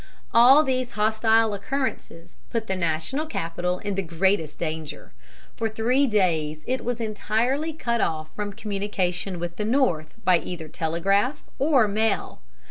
All these hostile occurrences put the national capital in the greatest danger. For three days it was entirely cut off from communication with the North by either telegraph or mail.